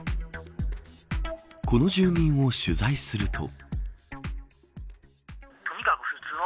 この住民を取材すると。